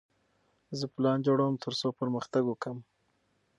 زه پلان جوړوم ترڅو پرمختګ وکړم.